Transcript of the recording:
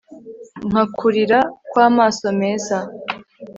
Nka kurira kwamaso meza